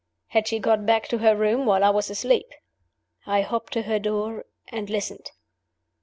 Had she got back to her room while I was asleep? I hopped to her door and listened.